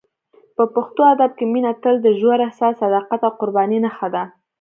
په پښتو ادب کې مینه تل د ژور احساس، صداقت او قربانۍ نښه ده.